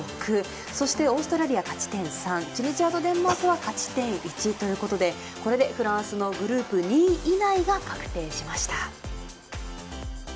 そして、オーストラリア勝ち点３チュニジアとデンマークは勝ち点１ということでこれでフランスのグループ２位以内が確定しました。